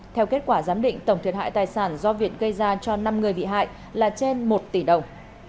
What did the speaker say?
theo kết quả giám định tổng thiệt hại tài sản do việt gây ra cho năm người bị hại là trên một tỷ đồng